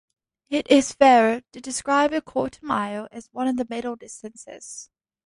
It is fairer to describe a quarter mile as one of the middle distances.